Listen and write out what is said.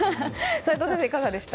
齋藤先生、いかがでした？